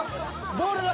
ボールが。